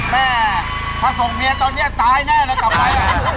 แม่ถ้าส่งเมียตอนนี้ตายแน่เลยจะไป